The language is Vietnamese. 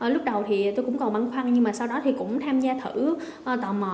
lúc đầu thì tôi cũng còn băng khoăn nhưng mà sau đó thì cũng tham gia thử tò mò